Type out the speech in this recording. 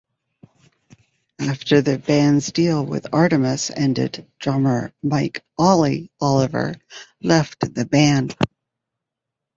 After the band's deal with Artemis ended, drummer Mike "Ollie" Oliver left the band.